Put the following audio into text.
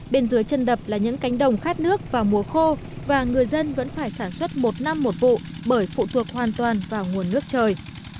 bên dưới chân đập là những cánh đồng khát nước vào mùa khô và người dân vẫn phải sản xuất một năm một vụ bởi phụ thuộc hoàn toàn vào nguồn nước trời